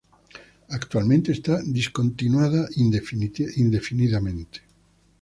Actualmente está discontinuada indefinidamente.